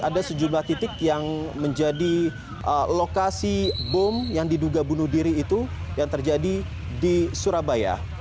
ada sejumlah titik yang menjadi lokasi bom yang diduga bunuh diri itu yang terjadi di surabaya